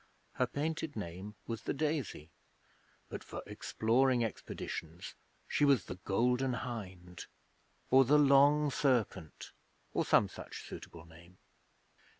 Her painted name was the Daisy, but for exploring expeditions she was the Golden Hind or the Long Serpent, or some such suitable name.